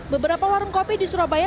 beberapa warung kopi di surabaya